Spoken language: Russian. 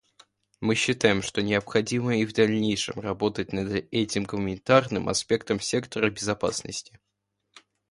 Мы считаем, что необходимо и в дальнейшем работать над этим гуманитарным аспектом сектора безопасности.